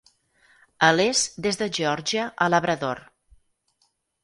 A l'est des de Geòrgia a Labrador.